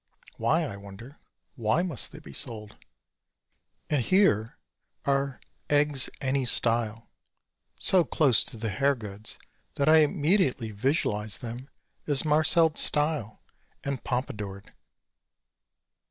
Why, I wonder. Why must they be sold? And here are "Eggs any style," so close to the hair goods that I immediately visualize them as marcelled "style" and pompadoured.